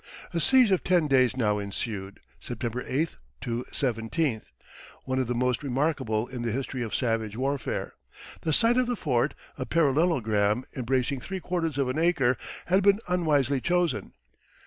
A siege of ten days now ensued (September 8th to 17th), one of the most remarkable in the history of savage warfare. The site of the fort, a parallelogram embracing three quarters of an acre, had been unwisely chosen.